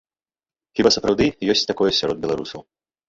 Хіба сапраўды ёсць такое сярод беларусаў.